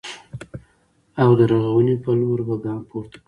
او د رغونې په لور به ګام پورته کړي